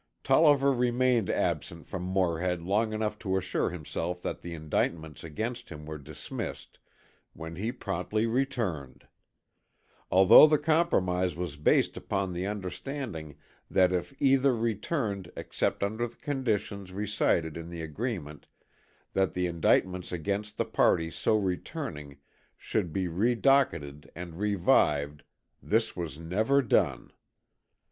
Tolliver remained absent from Morehead long enough to assure himself that the indictments against him were dismissed, when he promptly returned. Although the compromise was based upon the understanding that if either returned except under the conditions recited in the agreement that the indictments against the party so returning should be redocketed and revived, this was never done.